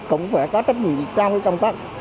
cũng phải có trách nhiệm trong cái công tác